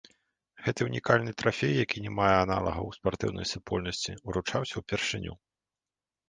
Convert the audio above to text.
Гэты ўнікальны трафей, які не мае аналагаў у спартыўнай супольнасці, уручаўся ўпершыню.